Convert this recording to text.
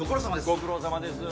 ご苦労さまです。